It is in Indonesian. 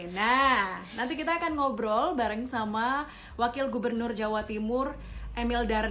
nah nanti kita akan ngobrol bareng sama wakil gubernur jawa timur emil darman